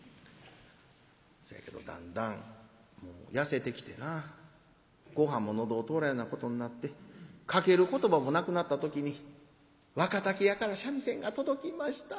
そやけどだんだん痩せてきてなごはんも喉を通らんようなことになってかける言葉もなくなった時に若竹屋から三味線が届きました。